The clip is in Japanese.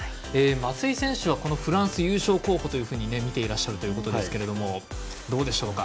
松井選手は、フランスを優勝候補というふうに見ていらっしゃるということですけれどもどうでしょうか？